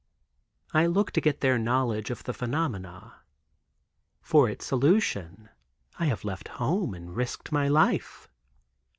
I look to get their knowledge of the phenomena. For its solution I have left home and risked my life.